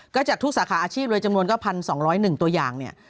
ก็จากทุกสาขาอาชีพเลยจำนวนก็๑๒๐๑ตัวอย่างเนี่ย